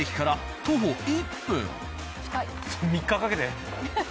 ３日かけて。